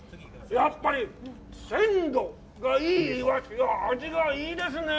やっぱり鮮度がいいイワシは味がいいですね。